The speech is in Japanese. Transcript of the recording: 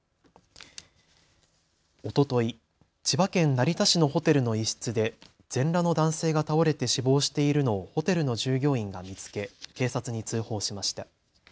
おととい、千葉県成田市のホテルの一室で全裸の男性が倒れて死亡しているのをホテルの従業員が見つけ警察に通報しました。